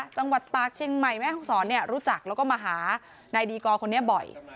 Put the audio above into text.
จังหวัดตากเชียงใหม่แม่ห้องศรรู้จักแล้วก็มาหานายดีกอร์คนนี้บ่อย